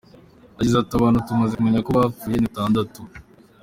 Yagize ati “Abantu tumaze kumenya ko bapfuye ni batandatu.